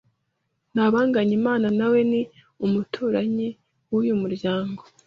Ntabanganyimana nawe ni umuturanyi w’uyu muryango